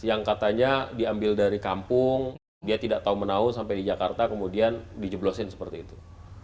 yang katanya diambil dari kampung dia tidak tahu menahu sampai di jakarta kemudian dijeblosin seperti itu